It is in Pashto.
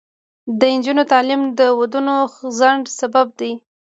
د نجونو تعلیم د ودونو ځنډ سبب دی.